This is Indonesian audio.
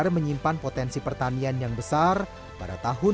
sadar menyimpan potensi pertanian yang besar pada tahun dua ribu delapan belas